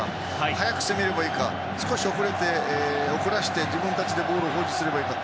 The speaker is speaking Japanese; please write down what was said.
速く攻めればいいか少し遅らせて自分たちでボールを保持すればいいか。